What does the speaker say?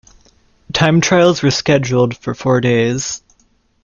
Time trials were scheduled for four days.